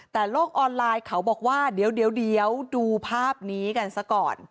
แต่โลกออนไลน์เขาบอกว่าเดี๋ยวดูภาพนี้กันซะก่อน